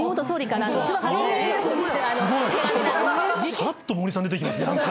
さらっと森さん出て来ますね。